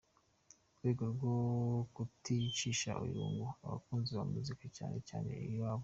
rwego rwo kuticisha irungu abakunzi ba muzika cyane cyane iyabo.